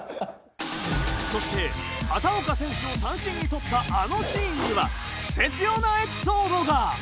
そして片岡選手を三振にとったあのシーンにはクセ強なエピソードが。